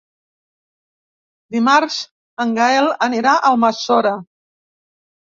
Dimarts en Gaël anirà a Almassora.